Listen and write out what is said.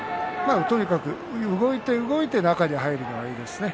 とにかく動いて動いて中に入るのはいいですね。